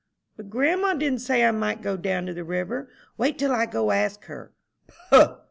"But grandma didn't say I might go down to the river. Wait till I go ask her." "Poh!"